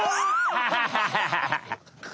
ハハハハハ！